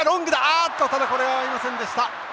あっとただこれは合いませんでした。